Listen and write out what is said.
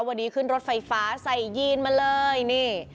วันนี้ขึ้นรถไฟฟ้าใส่ยีนมาเลยนี่